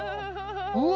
うわ！